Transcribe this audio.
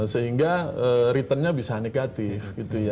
sehingga return nya bisa negatif